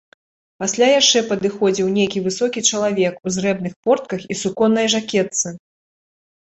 Пасля яшчэ падыходзіў нейкі высокі чалавек у зрэбных портках і суконнай жакетцы.